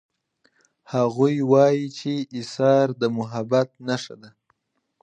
هغوی وایي چې ایثار د محبت نښه ده